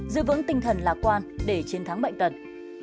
giữ vững tinh thần lạc quan để chiến thắng bệnh tật